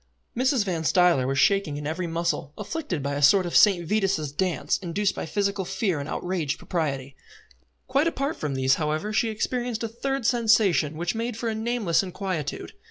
Mrs. Van Stuyler was shaking in every muscle, afflicted by a sort of St. Vitus' dance induced by physical fear and outraged propriety. Quite apart from these, however, she experienced a third sensation which made for a nameless inquietude.